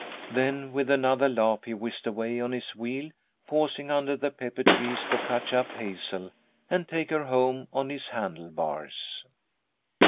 Then, with another laugh, he whizzed away on his wheel, pausing under the pepper trees to catch up Hazel, and take her home on his handle bars.